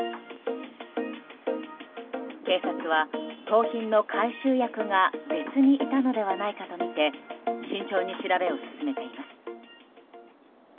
警察は、盗品の回収役が別にいたのではないかとみて慎重に調べを進めています。